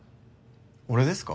俺ですか？